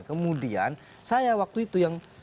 kemudian saya waktu itu